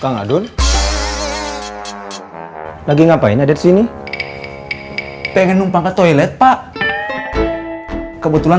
kang adul lagi ngapain ada di sini pengen numpang ke toilet pak kebetulan